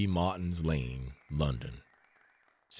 MARTIN'S LANE, LONDON, Sept.